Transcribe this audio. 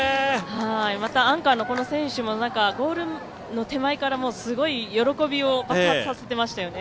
またアンカーの選手もゴールの手前からすごい喜びを爆発させてましたよね。